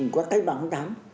cái bắn thắng